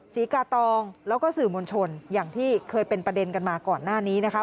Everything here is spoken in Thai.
ศรีกาตองแล้วก็สื่อมวลชนอย่างที่เคยเป็นประเด็นกันมาก่อนหน้านี้นะคะ